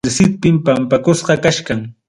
Iglesia La Mercedpim pampakusqa kachkan.